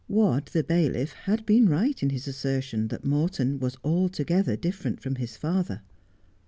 Wadd, the bailiff, had been right in his assertion that Morton was altogether different from his father.